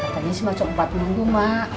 katanya sih macem empat minggu mak